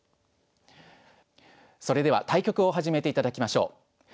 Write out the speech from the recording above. それでは対局を始めて頂きましょう。